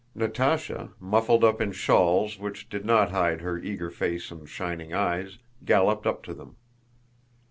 Natásha, muffled up in shawls which did not hide her eager face and shining eyes, galloped up to them.